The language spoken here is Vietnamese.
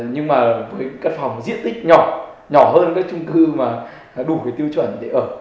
nhưng mà với các phòng diện tích nhỏ nhỏ hơn các trung cư mà đủ cái tiêu chuẩn để ở